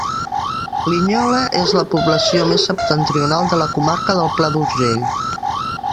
Linyola és la població més septentrional de la comarca del Pla d'Urgell.